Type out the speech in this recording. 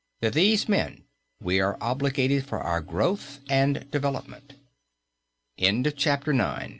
To these men we are obligated for our growth and development. X WHERE THE CHURCH